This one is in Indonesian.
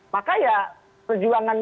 maka ya perjuangan mereka